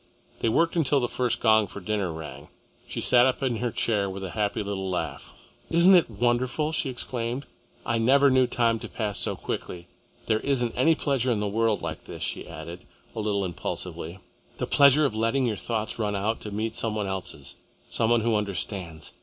They worked until the first gong for dinner rang. She sat up in her chair with a happy little laugh. "Isn't it wonderful!" she exclaimed. "I never knew time to pass so quickly. There isn't any pleasure in the world like this," she added, a little impulsively, "the pleasure of letting your thoughts run out to meet some one else's, some one who understands.